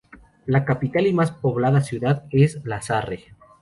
La capital y más poblada ciudad es La Sarre.